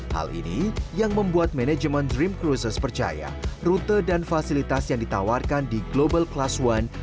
hal ini yang membuat manajemen dream cruises percaya rute dan fasilitas yang ditawarkan di global class one